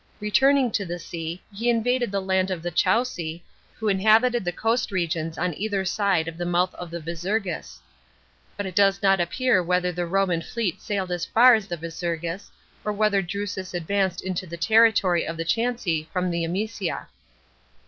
Returning to the sea, he invaded the land of the Chauci, who inhabited the coast regions on either side of thn mouth of the Visurgis ; but it does not appear whether the Roman fleet sailed as far as the Visurgis, or wheiher Drusus advanced into the territory of the Chauci from the Amisia.